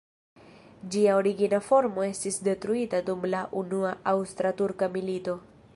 Ĝia origina formo estis detruita dum la Unua Aŭstra-Turka milito.